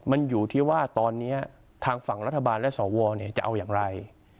มันอยู่ที่ว่าตอนนี้ทางฝั่งรัฐบาลและสวจะเอาอย่างไร